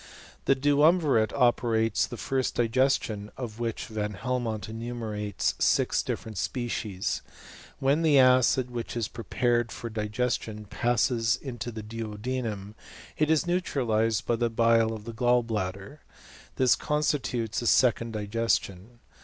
The duumvirate operates the first digestion, of ■ which. Van Helmont enumerates six diflferent species. '\ When the acid, which is prepared for digestion, • passes into the duodenum it is neutralized by the " bile of the gall bladder. This constitutes the second \ digestion.